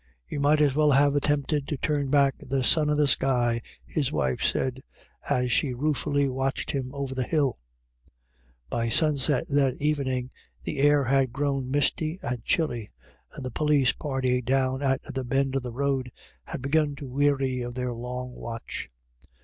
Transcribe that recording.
" You might as well have attempted to turn back the sun in the sky," his wife said, as she ruefully watched him over the hill. GOT THE BETTER OF. 125 By sunset that evening the air had grown misty and chilly, and the police party down at the bend of the road had begun to weary of their long watch.